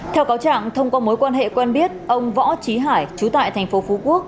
theo cáo trạng thông qua mối quan hệ quen biết ông võ trí hải chú tại thành phố phú quốc